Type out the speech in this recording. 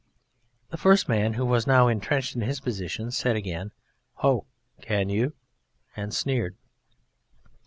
The first man, who was now entrenched in his position, said again, "Ho! Can you?" and sneered.